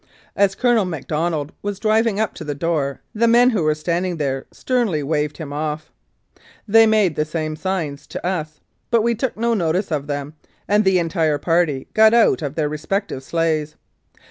As Colonel McDonald was driving up to the door the men who were standing there sternly waved him off. They made the same signs tc us, but we took no notice of them, and the entire partv got out of their respective sleighs.